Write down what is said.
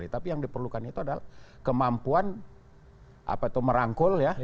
tapi yang diperlukan itu adalah kemampuan merangkul ya